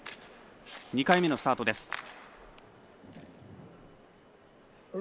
２回目のスタートです。